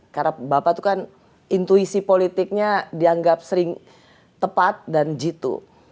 karena bapak itu kan intuisi politiknya dianggap sering tepat dan jitu